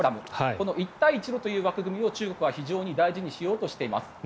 この一帯一路という枠組みを中国は非常に大事にしようとしています。